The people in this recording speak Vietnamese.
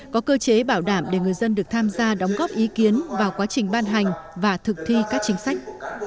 có cơ chế bảo đảm để người dân được tham gia đóng góp ý kiến vào quá trình ban hành và thực thi các chính sách